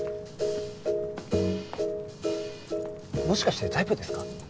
もしかしてタイプですか？